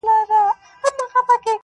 زما کور ته چي راسي زه پر کور يمه.